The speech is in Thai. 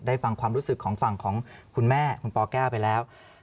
ฟังความรู้สึกของฝั่งของคุณแม่คุณปแก้วไปแล้ว